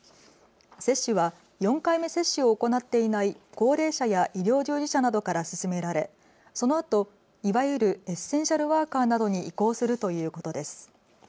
接種は４回目接種を行っていない高齢者や医療従事者などから進められ、そのあと、いわゆるエッセンシャルワーカーなどに移行するということです。